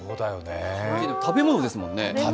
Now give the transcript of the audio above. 食べ物ですもんね。